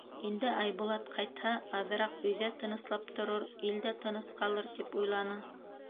Инде Айбулат ҡайтһа, аҙыраҡ өйҙә тыныслап торор, ил дә тыныс ҡалыр, тип уйланы.